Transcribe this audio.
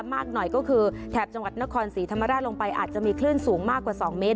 มากหน่อยก็คือแถบจังหวัดนครศรีธรรมราชลงไปอาจจะมีคลื่นสูงมากกว่า๒เมตร